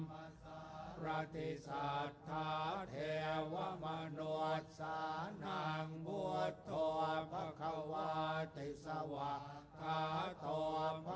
สารทิสันทะเทวะมนุนนางพุทธโทพักขวาธรรม